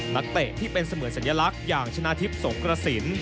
เตะที่เป็นเสมือนสัญลักษณ์อย่างชนะทิพย์สงกระสิน